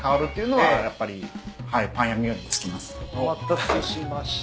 お待たせしました。